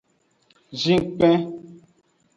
Zinkpen.